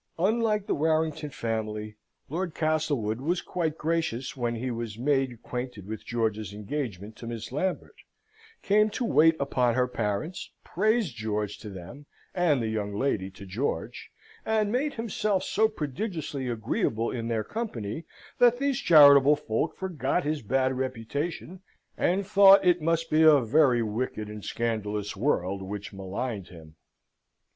Unlike the Warrington family, Lord Castlewood was quite gracious when he was made acquainted with George's engagement to Miss Lambert; came to wait upon her parents; praised George to them and the young lady to George, and made himself so prodigiously agreeable in their company that these charitable folk forgot his bad reputation, and thought it must be a very wicked and scandalous world which maligned him.